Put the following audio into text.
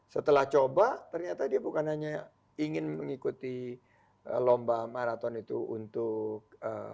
setelah coba ternyata dia bukan hanya ingin mengikuti lomba maraton itu untuk